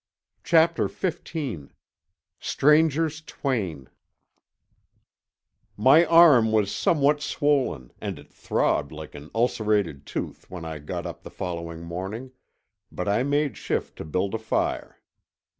CHAPTER XV—STRANGERS TWAIN My arm was somewhat swollen, and it throbbed like an ulcerated tooth, when I got up the following morning, but I made shift to build a fire.